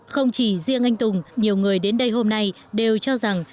không chỉ riêng anh tùng nhiều người đến đây hôm nay đều cho rằng